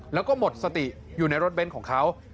แล้วก็หมดสติอยู่ในรถเน้นของเขา